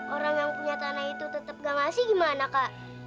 orang yang punya tanah itu tetap gak ngasih gimana kak